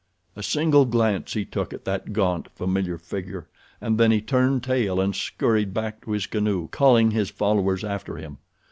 A single glance he took at that gaunt, familiar figure and then he turned tail and scurried back to his canoe calling his followers after him.